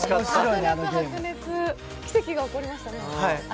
迫力、白熱、奇跡が起こりましたね。